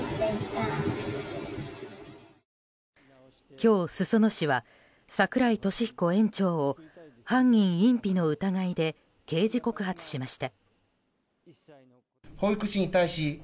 今日、裾野市は櫻井利彦園長を犯人隠避の疑いで刑事告発しました。